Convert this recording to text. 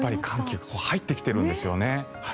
寒気が入ってきているんですよね。